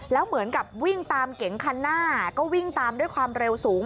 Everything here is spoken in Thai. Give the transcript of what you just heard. แล้วเหมือนกับวิ่งตามเก๋งคันหน้าก็วิ่งตามด้วยความเร็วสูง